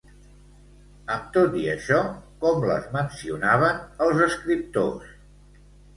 Amb tot i això, com les mencionaven els escriptors?